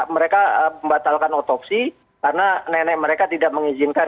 mereka membatalkan otopsi karena nenek mereka tidak mengizinkan